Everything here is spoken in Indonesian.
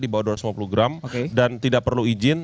di bawah dua ratus lima puluh gram dan tidak perlu izin